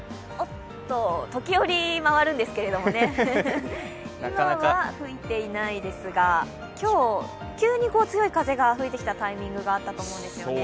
時折回るんですけど、今は吹いていないんですが、今日、急に強い風が吹いてきたタイミングがあったと思うんですね。